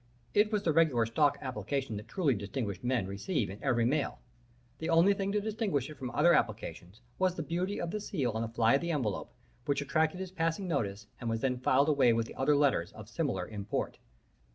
It was the regular stock application that truly distinguished men receive in every mail. The only thing to distinguish it from other applications was the beauty of the seal on the fly of the envelope, which attracted his passing notice and was then filed away with the other letters of similar import.